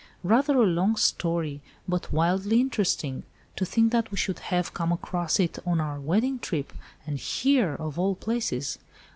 "Rather a long story, but wildly interesting. To think that we should have come across it on our wedding trip, and here of all places.